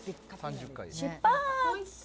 出発。